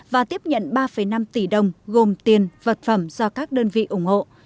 và tiếp nhận ba năm tỷ đồng gồm tiền vật phẩm do các đơn vị ủng hộ